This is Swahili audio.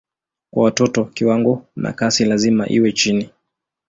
Kwa watoto kiwango na kasi lazima iwe chini.